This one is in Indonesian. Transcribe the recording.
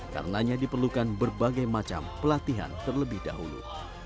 karenanya diperlukan berbagai macam pelatihan terlebih dahulu